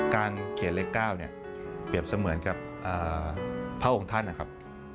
การเขียนเลข๙เนี่ยเปรียบเสมือนกับพระองค์ท่านนะครับ